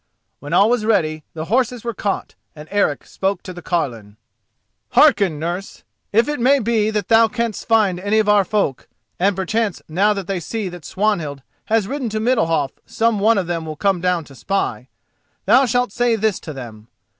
When all was ready, the horses were caught, and Eric spoke to the carline: "Hearken, nurse. If it may be that thou canst find any of our folk—and perchance now that they see that Swanhild has ridden to Middalhof some one of them will come down to spy—thou shalt say this to them.